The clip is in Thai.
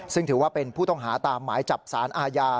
ซึ่งถือว่าเป็นผู้ต้องหาตามหมายจับสารอาญา